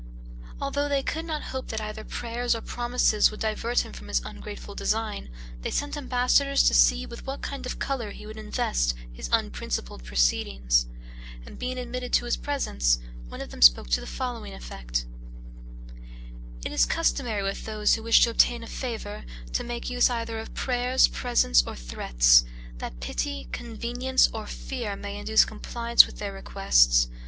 Although they could not hope that either prayers or promises would divert him from his ungrateful design, they sent ambassadors to see with what kind of color he would invest his unprincipled proceedings, and being admitted to his presence, one of them spoke to the following effect; "It is customary with those who wish to obtain a favor, to make use either of prayers, presents, or threats, that pity, convenience, or fear, may induce a compliance with their requests.